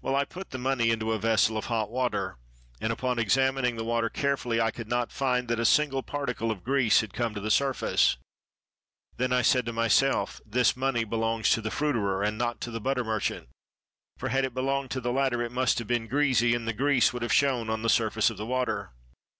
Well, I put the money into a vessel of hot water, and upon examining the water carefully I could not find that a single particle of grease had come to the surface. Then said I to myself, 'This money belongs to the fruiterer, and not to the butter merchant; for, had it belonged to the latter, it must have been greasy, and the grease would have shown on the surface of the water.'"